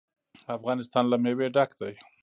افغانستان له مېوې ډک دی.